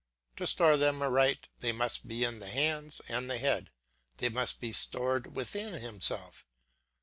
To store them aright, they must be in the hands and the head, they must be stored within himself.